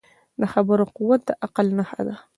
د خبرو قوت د عقل نښه ده